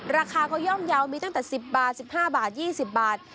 ราคาก็ย่อมเยาว์มีตั้งแต่๑๐บาท๑๕บาท๒๐บาท